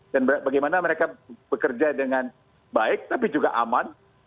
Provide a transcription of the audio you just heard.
dan bagaimana mereka bekerja dengan baik tapi juga aman